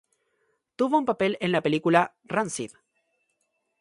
Tuvo un papel en la película "Rancid".